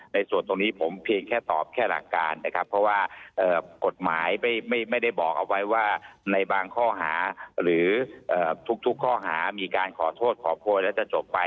ในส่วนตรงนี้ผมเพียงแค่ตอบแค่หลักการนะครับเพราะว่ากฎหมายไม่ได้บอกเอาไว้ว่าในบางข้อหาหรือทุกข้อหามีการขอโทษขอโพยแล้วจะจบไป